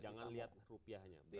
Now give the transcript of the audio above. jangan lihat rupiahnya berapa